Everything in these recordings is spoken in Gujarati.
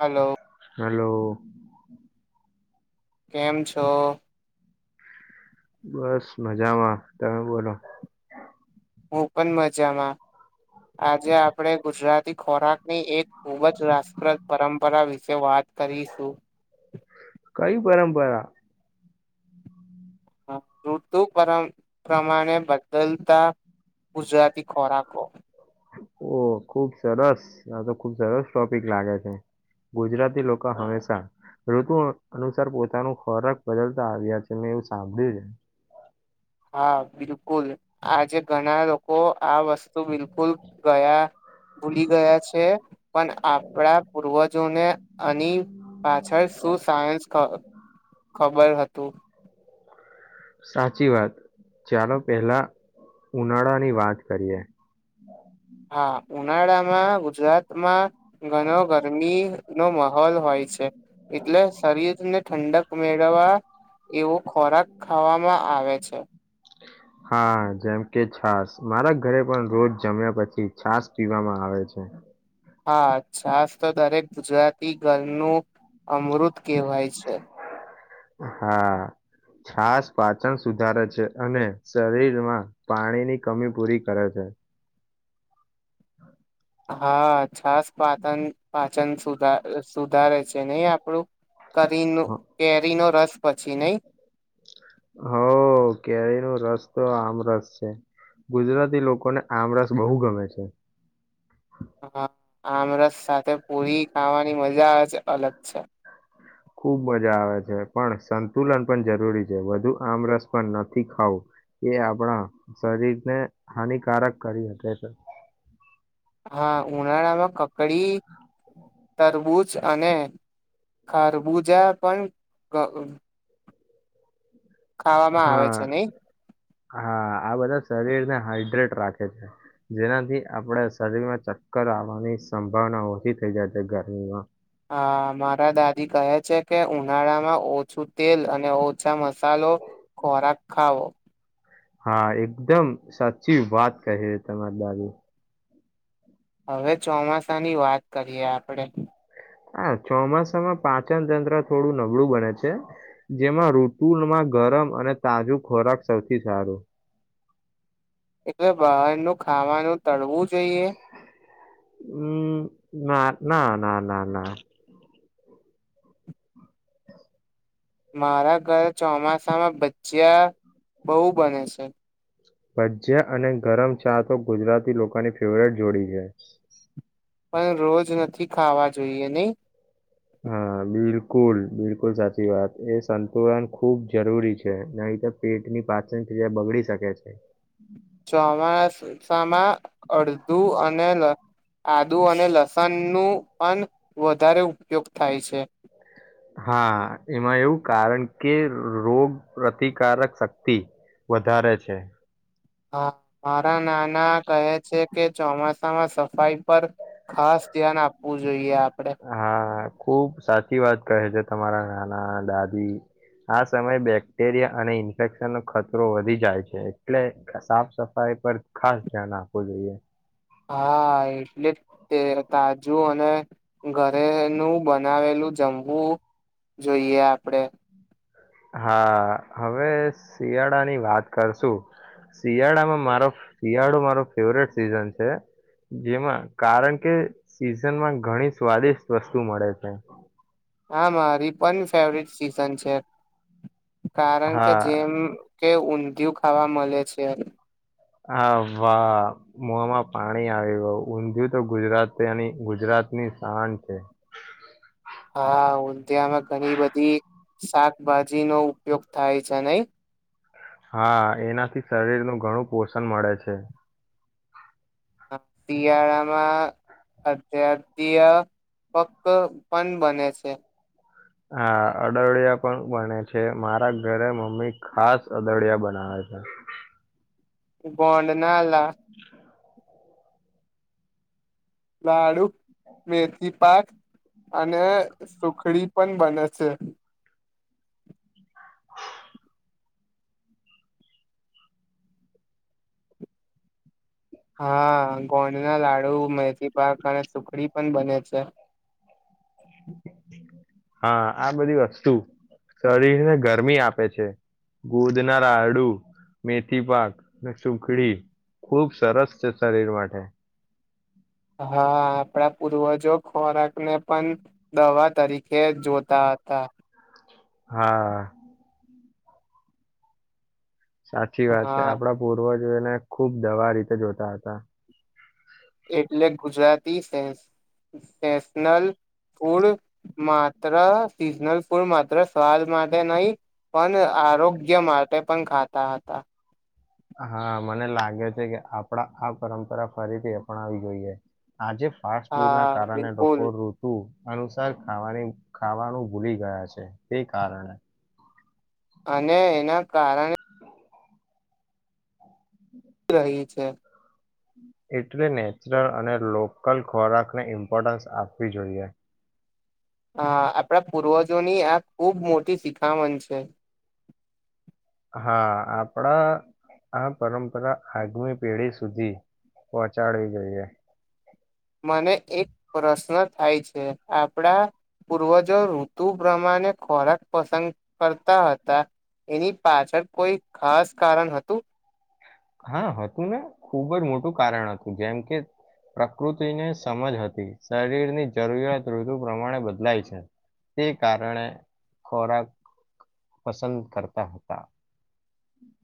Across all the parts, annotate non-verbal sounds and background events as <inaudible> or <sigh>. હલો હલો કેમ છો બસ મજામાં તમે બોલો હું પણ મજામાં આજે આપણે ગુજરાતી ખોરાકની એક ખૂબ જ રાપ્રદ પરંપરા વિશે વાત કરીશું કઈ પરંપરા ઋતુ પર પ્રમાણે બદલતા ગુજરાતી ખોરાકો ઓ ખુબ સરસ આ તો ખુબ સરસ ટોપિક લાગે છે ગુજરાતી લોકો હંમેશા ઋતુ અનુસાર પોતાનું ખોરાક બદલતા આવ્યા છે મેં એવું સાંભળ્યું છે હા બિલકુલ આજે ઘણા લોકો આ વસ્તુ તોું બિલકુલ ગયા ભૂલી ગયા છે પણ આપણા પૂર્વજોને આની પાછળ શું સાયન્સ ખબર હતું સાચી વાત ચાલો પહેલા ઉનાળાની વાત કરીએ હા ઉનાળામાં ગુજરાતમાં ઘણ ગરમી નો માહોલ હોય છે એટલે શરીરને ઠંડક મેળવવા એવો ખોરાક ખાવામાં આવે છે હા જેમ કે છાસ મારા ઘરે પણ રોજ જમ્યા પછી છાસ પીવામાં આવે છે હા છાસ તો દરેક ગુજરાતી ગલનું અમૃત કહેવાય છે હા છાસ પાચન સુધારે છે અને શરીરમાં પાણીની કમી પૂરી કરે છે <inaudible> હા છાસ પાતન પા વચન સુધ સુધારે છે નહી આપણું કરી કેરીનો રસ પછી નહી હ કેરી ન રસ તો આમરસ છે ગુજરાતી લોકોને આમરસ બહુ ગમે છે હ આમરસ સાથે પૂરી ખાવાની મજા જ અલગ છે ખુબ મજા આવે છે પણ સંતુલન પણ જરૂરી છે વધુ આમ રસ પણ નથી ખાવું એ આપણા શરીરને હાનિકારક કરી શકે છે હા ઉનાળામાં કકડી તરબૂજ અને ખરબુજા પણ ખાવામાં આવે હા છે નહી હા આ બધા શરીર ના હાઈડ્રેટ રાખે છે જેનાથી આપણે શરીરમાં ચક્કર આવવાની સંભાવના ઓછી થઈ જાય છે ગરમીમાં હ મારા દાદી કહે છે કે ઉનાળા માં ઓછું તેલ અને ઓછા મસાલો ખોરાક ખાવો હા એકદમ સાચી વાત કહી ર તમારી દાદી હવે ચોમાસાની વાત કરીએ આપણે હા ચોમાસામાં પાચન તંત્ર થોડું નબળું બને છે જેમાં ઋતુમાં ગરમ અને તાજું ખોરાક સૌથી સારું એટલે બહારનુંું ખાવાનું તળવું જ હમ ના ના ના ના ના મારા ઘરે ચોમાસામાં ભચ્ચિયા બહુ બને છે ભજ્યા અને ગરમ ચા તો ગુજરાતી લોકોની ફેવરટ જોડી છે પણ રોજ નથી ખાવા જોઈએ નહી હા બિલકુલ બિલકુલ સાચી વાત એ સંતુલન ખુબ જરૂરી છે નહી તો પેટની પાચન ક્રિયા બગડી શકે છે ચોમાસામાં અડધું અને આદુ અને લસણ નું પણ વધારે ઉપયોગ થાય છે હા એમાં એવું કારણ કે રોગ પ્રતિકારક શક્તિ વધારે છે હા મારા નાના કહે છે કે ચોમાસામાં સફાઈ પર ખાસ ધ્યાન આપવું જોઈએ આપ હા ખુબ સાચી વાત કહે છે તમારા નાના દાદી આ સમયે બેક્ટેરિયા અને ઇન્ફેક્શનનોો ખતરો વધી જાય છે એટલે સાફ સફાઈ પર ખાસ ધ્યાન આપવું જોઈએ હા એટલે તે તાજું અને ઘરેનુંું બનાવેલું જમવું જોઈએ આપડે હા હવે શિયાળાની વાત કરશું શિયાળામાં મારો શિયાળો મારો ફેવરેટ સીઝન છે જેમાં કારણ કે સિઝનમાં ઘણી સ્વાદિષ્ટ વસ્તુ મળે છે હા મારી પણ ફેવરટ સીઝન છે કારણ કે હા જેમ કે ઊંધિયું ખાવા મળે છે હા વાહ મોમાં પાણી આવી ગય ઊંધિય તો ગુજરાતની ગુજરાતની શાન છે હા ંધિયામાં ઘણી બધી શાકભાજી નો ઉપયોગ થાય છે નહી હા એનાથી શરીરનું ઘણું પોષણ મળે છે શિયાળામાં અધ્યાધ્ય પક પણ બને છે હા અદડિયા પણ બને છે મારા ઘરે મમ્મી ખાસ અદડિયા બનાવે છે બોંડનાાલ લાડુ મેથી પાક અને સુખડી પણ બને છે હા કોણ ના લાડુ મેૈથી પાક ણે સુખડી પણ બને છે હા આ બધી વસ્તુ શરીરને ગરમી આપે છે ગોદનારા હડું મેથી પાક સુખડી ખુબ સરસ છે શરીર માટે હા આપણા પૂર્વજો ખોરાક ને પણ દવા તરીકે જોતા હતા હા સાચી વાત છે હા આપડા પૂર્વજ એને ખુબ દવા રીતે જોતા હતા એટલે ગુજરાતી સશનલ ફૂડ માત્ર સિઝનલ ફૂડ માત્ર સ્વાદ માટે નહી પણ આરોગ્ય માટે પણ ખાતા હતા હા મને લાગે છે કે આપડા આ પરંપરા ફરીથી અપનાવી જોઈએ આજે ફાસ્ટ ફૂડ ના હા કારણે બિલકુલ રકોડ ઋતુ અનુસાર ખાવાની ખાવાનું ભૂલી ગયા છે તે કારણે અને એના કારણે રહી છે એટલે નેચરલ અને લોકલ ખોરાકને ઇમ્પોર્ટન્સ આપવી જોઈએ હા આપણા પૂર્વજોની આ ખૂબ મોટી શિખામણ છે હા આપડા આ પરંપરા આગમી પેઢી સુધી પહોંચાડવી જોઈએ મને એક પ્રશ્ન થાય છે આપણા પૂર્વ જો ઋતુ પ્રમાણે ખોરાક પસંદ કરતા હતા એની પાછળ કોઈ ખાસ કારણ હતું હા હતું ને ખૂબ જ મોટું કારણ હતું જેમ કે પ્રકૃતિને સમજ હતી શરીરની જરૂરિયાત ઋતુ પ્રમાણે બદલાય છે તે કારણે ખોરાક પસંદ કરતા હતા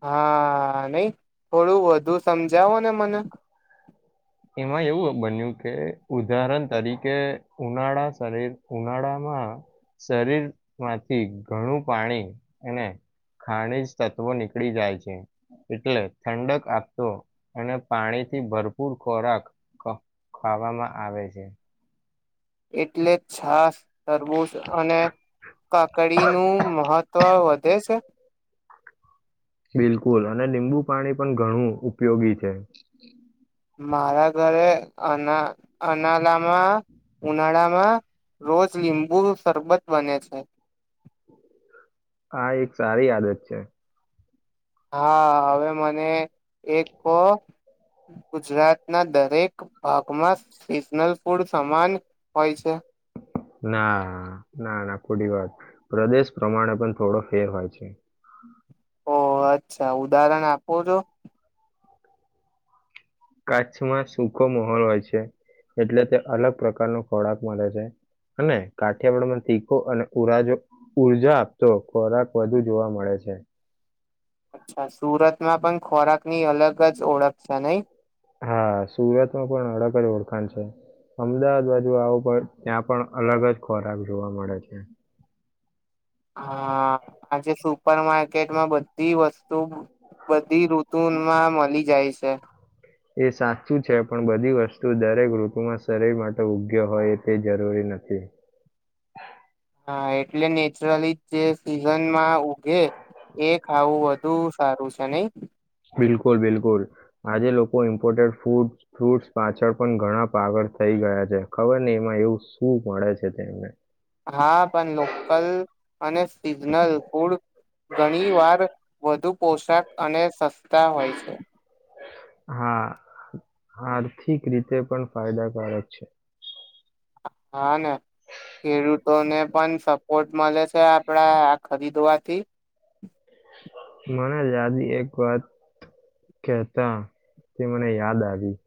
હા નઈ થોડું વધુ સમજાવોને મને એમાં એવું બન્યું કે ઉદાહરણ તરીકે ઉનાળા શરીર ઉનાળામાં શરીરમાંથી ઘણું પાણી અને ખાણીજ તત્વો નીકળી જાય છે એટલે ઠંડક આપતો અને પાણીથી ભરપૂર ખોરાક ખાવામાં આવે છે એટલે છાસ તરબું અને કાકડી નું મહત્વ વધ તે છે બિલકુલ અને લીંબુ પાણી પણ ઘણું ઉપયોગી છે મારા ઘરે અના અનાળામાં ઉનાળામાં રોજ લીંબુ સરબત બને છે હા એક સારી આદત છે હા હવે મને એક ગુજરાત ના દરેક ભાગમાં સીઝનલ ફૂડ સમાન હોય છે ના ના ના ખોટી વાત પ્રદેશ પ્રમાણે પણ થોડો ફેર હોય છે ઓહ અચ્છા ઉદાહરણ આપો છો કચ્છમાં સુૂખો માહોલ હોય છે એટલે તે અલગ પ્રકારનો ખોરાક મળે છે અને કાઠિયાવાડમાં તીખો અને ઉરાજો ઉર્જા આપતો ખોરાક વધુ જોવા મળે છે અચ્છા સુરતમાં પણ ખોરાક ની અલગ જ ઓળખ છે નહી હા સુરત ન પણ અલગ જ ઓળખાણ છે અમદાવાદ બાજુ આવો પ ત્યાં પણ અલગ જ ખોરાક જોવા મળે છે હા આજે સુપર માર્કેટમાં બધી વસ્તુ બધી ઋતુ માં મળી જાય છે સાફ એ સાચું છે પણ બધી વસ્તુ દરેક ઋતુમાં શરીર માટે ઉગ્ય હોય એ તે જરૂરી નથી હા એટલે નેચરલી જે સીઝનમાં ઘે એ ખાવું હતું ધું સારું છે નહી બિલકુલ બિલકુલ આજે લોકો ઇમ્પોર્ટેડ ફૂડ ફ્રૂટ પાછળ પણ ઘણા પાગળ થઇ ગયા છે ખબર ને એમાં એવું શું મળે છે તેમને હા પણ લોકલ અને સીઝનલ ફૂડ ઘણી વાર વધુ પોશાક અને સસ્તા હોય છે હા આર્થિક રીતે પણ ફાયદાકારક છે હા ને ખેડૂતોને પણ સપોર્ટ મળે છે આપડા આ ખરીદવાથી મને ાદી એક વાત કેતા તે મને યાદ આવી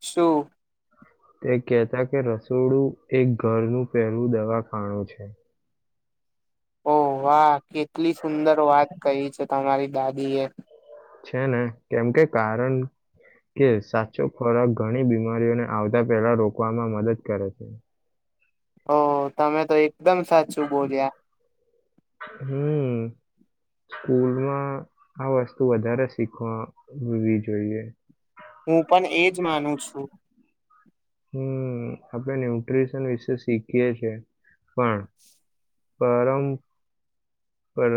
શું તે કેહેતા કે રસોડું એક ઘરનું પહેલું દવાખાનુંું છે ઓહ વાહ કેટલી સુંદર વાત કરી છે તમારી દાદીએ છે ને કેમ કે કારણ કે સાચો ફરક ઘણી બીમારીઓને આવતા પેલા રોકવામાં મદદ કરે છે ઓ તમે તો એકદમ સાચું બોલ્યા હમ સ્કૂલમાં આ વસ્તુ વધારે શીખવાવી જોઈએ હું પણ એજ માનું છું હમ આપડણે ન્યુટ્રીશન વિશે શીખીએી પણણ પરમ પર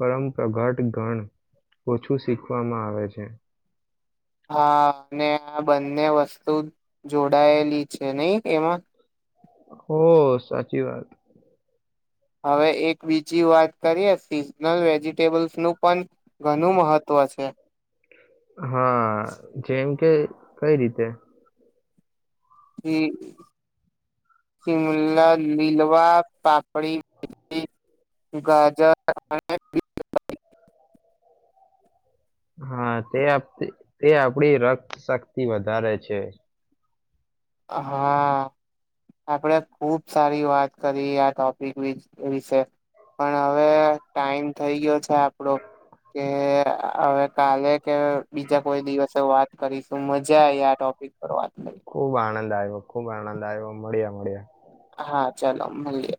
પરમપગટ ગણ ઓછું શીખવામાં આવે છે હા અને આ બંને વસ્તુ જોડાયેલી છે નહી એમાં હો સાચી વાત હવે એક બીજી વાત કરીએ સિઝનલ વેજિટેબલ્સનું પણ ઘણું મહત્ત્વ છે હા જેમ કે કઈ રીતે ચિમલા લીલવા પાપડી ગાજર અને હા તે તે આપડી રક્ત શક્તિ વધારે છે હા આપડે ખુબ સારી વાત કરી આ ટોપિક વિશે પણ હવે ટાઈમ થઈ ગયો છે આપડો કે હવે કાલે કે બીજા કોઈ દિવસે વાત કરીશું મજા આ આ ટોપિક પર વાત કરી ખુબ આનંદ આવ્યો ખુબ આનંદ આવ્યો મળ્યા મળ્યા હા ચાલો મળીએ